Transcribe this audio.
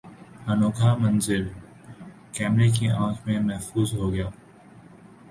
انوکھا منظر کیمرے کی آنکھ میں محفوظ ہوگیا